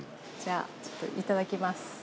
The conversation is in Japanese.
じゃあちょっといただきます。